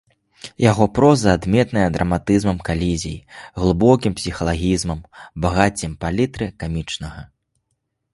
Яго проза адметная драматызмам калізій, глыбокім псіхалагізмам, багаццем палітры камічнага.